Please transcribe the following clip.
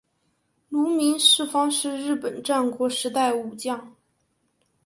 芦名氏方是日本战国时代武将。